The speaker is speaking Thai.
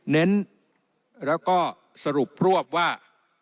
เน้นแล้วก็สรุปรวบว่า